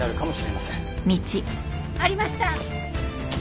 ありました！